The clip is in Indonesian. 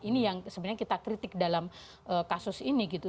ini yang sebenarnya kita kritik dalam kasus ini gitu